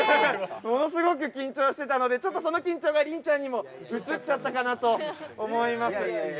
ものすごく緊張していたのでその緊張がリンちゃんにもうつっちゃったかなと思います。